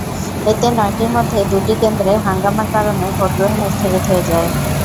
এতে নয়টির মধ্যে দুটি কেন্দ্রে হাঙ্গামার কারণে ভোটগ্রহণ স্থগিত হয়ে যায়।